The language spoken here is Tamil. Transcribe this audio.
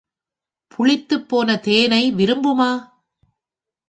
புளித்துப் போன தேனை விரும்புமா?